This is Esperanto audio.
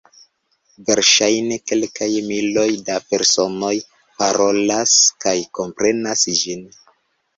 Verŝajne kelkaj miloj da personoj parolas kaj komprenas ĝin.